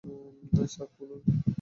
Sir, খুলুন।